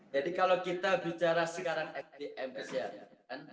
jadi kalau kita bicara sekarang sdm kesehatan